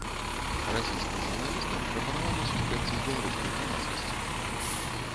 Расійскім журналістам прапанавана сустрэцца з беларускай грамадскасцю.